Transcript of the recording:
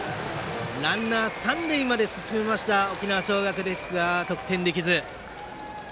ランナー三塁まで進めました沖縄尚学ですが得点できず。